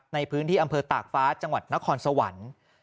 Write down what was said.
ในพื้นที่อำเภอตากฟ้าจังหวัดนครสวรรค์